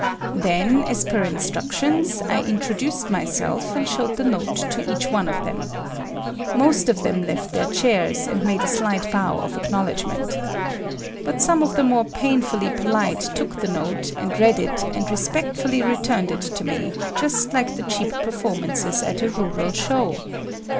Then, as per instructions, I introduced myself and showed the note to each one of them. Most of them left their chairs and made a slight bow of acknowledgment. But some of the more painfully polite took the note and read it and respectfully returned it to me, just like the cheap performances at a rural show!